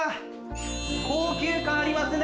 高級感ありますね。